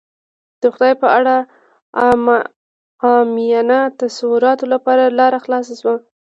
د خدای په اړه عامیانه تصوراتو لپاره لاره خلاصه شوه.